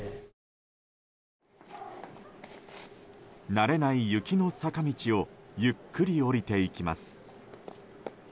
慣れない雪の坂道をゆっくり下りていきます。